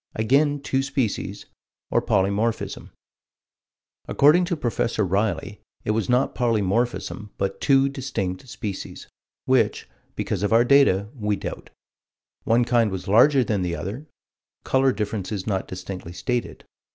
Again two species, or polymorphism. According to Prof. Riley, it was not polymorphism, "but two distinct species" which, because of our data, we doubt. One kind was larger than the other: color differences not distinctly stated.